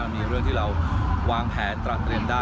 มีเรื่องที่เราวางแผนตระเตรียมได้